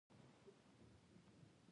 دا مولانا ابوالحسن ندوي کتاب دی.